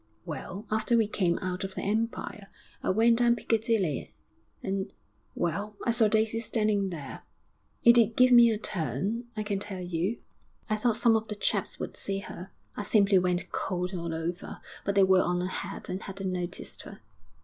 Well, after we came out of the Empire, I went down Piccadilly, and well, I saw Daisy standing there.... It did give me a turn, I can tell you; I thought some of the chaps would see her. I simply went cold all over. But they were on ahead and hadn't noticed her.'